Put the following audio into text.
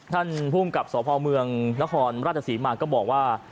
ท่านภูมิกับสพเมืองนครราชศรีมาก็บอกว่า